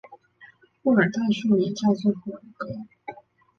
布尔代数也叫做布尔格。